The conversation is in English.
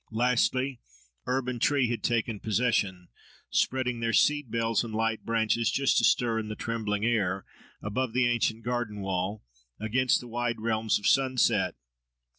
Lastly, herb and tree had taken possession, spreading their seed bells and light branches, just astir in the trembling air, above the ancient garden wall, against the wide realms of sunset.